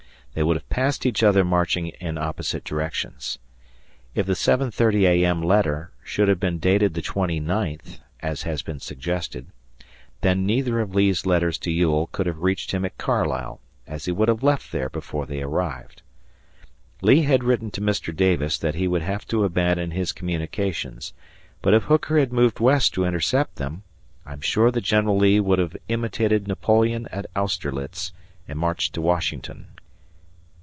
They would have passed each other marching in opposite directions. If the 7.30 A.M. letter should have been dated the twenty ninth, as has been suggested, then neither of Lee's letters to Ewell could have reached him at Carlisle, as he would have left there before they arrived. Lee had written to Mr. Davis that he would have to abandon his communications; but if Hooker had moved west to intercept them, I am sure that General Lee would have imitated Napoleon at Austerlitz and marched to Washington.